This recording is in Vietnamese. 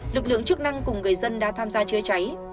lực lượng chức năng cùng người dân đã tham gia chữa cháy